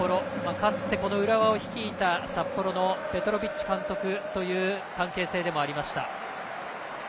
かつて、浦和を率いた札幌のペトロヴィッチ監督という関係性でもありました。